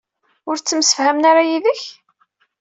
Ur ttemsefhamen ara yid-k?